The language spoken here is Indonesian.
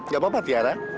gak apa apa tiara